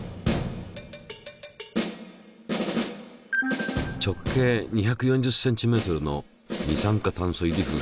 直径２４０ｃｍの二酸化炭素入り風船だ。